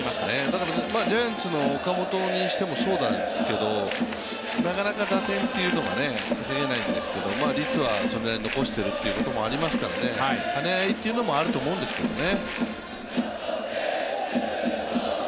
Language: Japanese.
だからジャイアンツの岡本にしてもそうなんですけれども、なかなか打点というのが稼げないんですけれども、率はそれなりに残しているというのはありますからね兼ね合いというのもあると思うんですけどね。